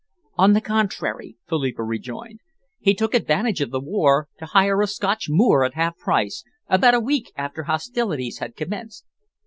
"On the contrary," Philippa rejoined, "he took advantage of the war to hire a Scotch moor at half price, about a week after hostilities had commenced."